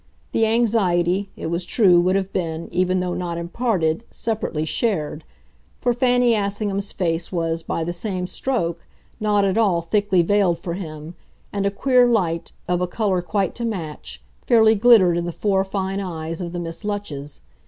The anxiety, it was true, would have been, even though not imparted, separately shared; for Fanny Assingham's face was, by the same stroke, not at all thickly veiled for him, and a queer light, of a colour quite to match, fairly glittered in the four fine eyes of the Miss Lutches.